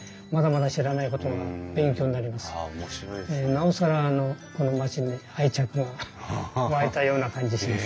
なおさらこの町に愛着が湧いたような感じします。